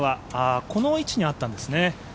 この位置にあったんですね。